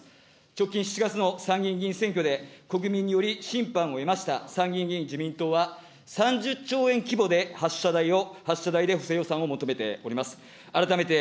直近７月の参議院議員選挙で、国民により審判を得ました参議院議員自民党は、３０兆円規模でで補正予算を求めております。